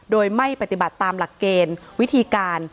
โดยไม่ปฏิบัติตามหลักเกณฑ์วิธีการ